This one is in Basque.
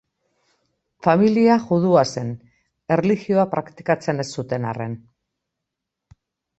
Familia judua zen, erlijioa praktikatzen ez zuten arren.